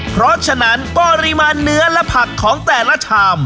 เพราะฉะนั้นปริมาณเนื้อและผักของแต่ละชาม